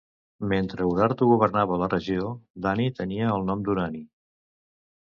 Mentre Urartu governava la regió d'Ani tenia el nom d'Urani.